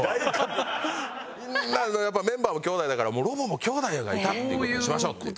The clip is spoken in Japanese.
やっぱメンバーも兄弟だからもうロボも兄弟がいたっていう事にしましょうっていう。